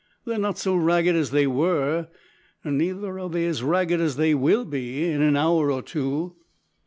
"They are not so ragged as they were. Neither are they as ragged as they will be in an hour or two."